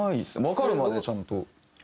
わかるまでちゃんと。